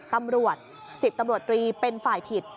ตำรวจ๑๐ตำรวจตรีเป็นฝ่ายผิด